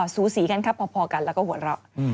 สูสีกันครับพอกันแล้วก็หัวเราะ